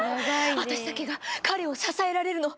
あたしだけが彼を支えられるの。